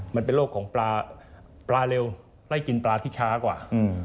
มันเป็นโรคของปลาปลาเร็วไล่กินปลาที่ช้ากว่า